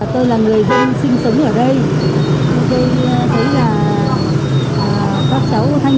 tôi là người dân sinh sống ở đây